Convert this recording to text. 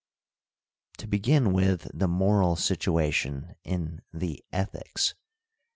To begin with the moral situation in the Ethics.